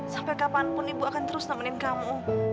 sampai kapanpun ibu akan terus nemenin kamu